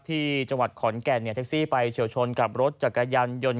ที่จังหวัดขอนแก่นแท็กซี่ไปเฉียวชนกับรถจักรยานยนต์